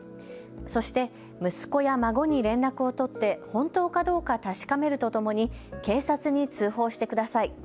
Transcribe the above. そして息子や孫に連絡を取って本当かどうか確かめるとともに警察に通報してください。